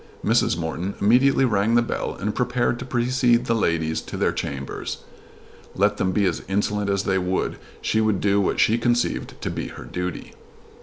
Mrs. Morton immediately rang the bell and prepared to precede the ladies to their chambers. Let them be as insolent as they would she would do what she conceived to be her duty.